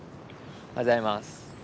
おはようございます。